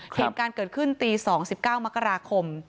เหตุการณ์เกิดขึ้นตี๒๙มกราคม